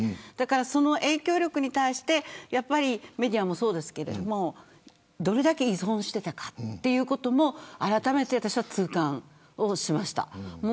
その影響力に対してメディアもそうですけどどれだけ依存していたかということも、あらためて私は痛感しました。